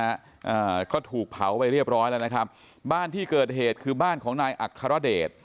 อ่าก็ถูกเผาไปเรียบร้อยแล้วนะครับบ้านที่เกิดเหตุคือบ้านของนายอัครเดช